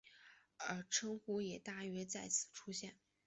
而的称呼也大约在此时出现。